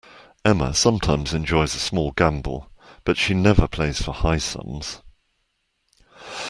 Emma sometimes enjoys a small gamble, but she never plays for high sums